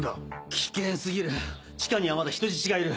危険過ぎる地下にはまだ人質がいる。